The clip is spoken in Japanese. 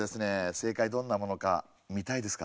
正解どんなものか見たいですか？